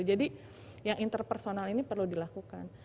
yang interpersonal ini perlu dilakukan